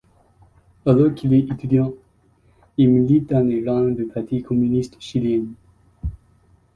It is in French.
Alors qu'il est étudiant, il milite dans les rangs du Parti communiste chilien.